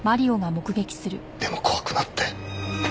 でも怖くなって。